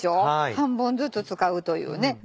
半分ずつ使うというね。